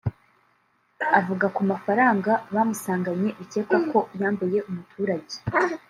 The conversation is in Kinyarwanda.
Avuga ku mafaranga bamusanganye bikekwa ko yambuye umuturage